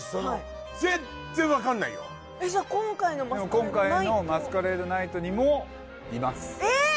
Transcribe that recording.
今回の「マスカレード・ナイト」にもいますえっ？